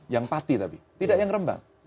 yang pati tapi tidak yang rembang